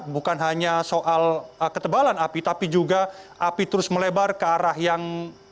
bukan hanya soal ketebalan api tapi juga api terus melebar ke arah yang